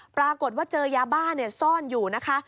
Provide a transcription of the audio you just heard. ปรากฏว่าเจอยาบ้าซ่อนอยู่นะคะ